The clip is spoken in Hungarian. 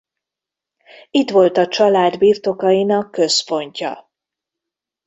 Itt volt a család birtokainak központja.